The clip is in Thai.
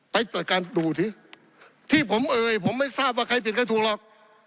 ไปจัดการดูสิที่ผมเอ่ยผมไม่ทราบว่าใครผิดใครถูกหรอก